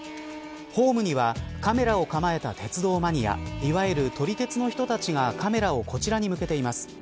ホームには、カメラを構えた鉄道マニアいわゆる、撮り鉄の人たちがカメラをこちらに向けています。